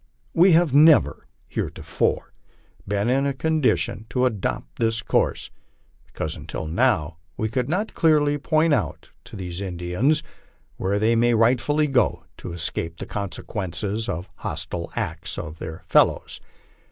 We have never heretofore been in a condition to adopt this course, because until now we could not clearly point out to these Indians where they may rightfully go to escape the consequences of the hostile acts of their fellows.